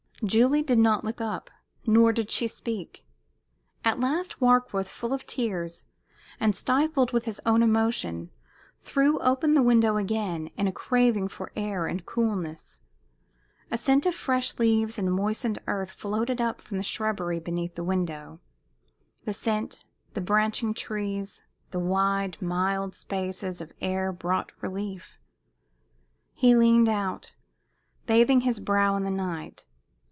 Julie did not look up, nor did she speak. At last, Warkworth, full of tears, and stifled with his own emotions, threw open the window again in a craving for air and coolness. A scent of fresh leaves and moistened earth floated up from the shrubbery beneath the window. The scent, the branching trees, the wide, mild spaces of air brought relief. He leaned out, bathing his brow in the night.